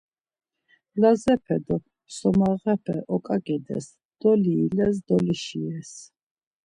Lazepe do Somexepe oǩaǩides, doliiles dolişires.